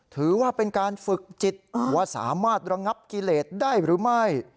ถือว่าเป็นการฝึกจิตว่าสามารถระงับกิเลสได้หรือไม่